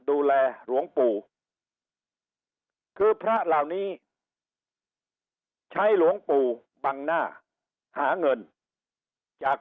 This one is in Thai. หลวงปู่คือพระเหล่านี้ใช้หลวงปู่บังหน้าหาเงินจาก